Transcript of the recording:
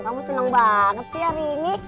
kamu senang banget sih hari ini